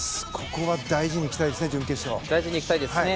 ここは大事にいきたいですね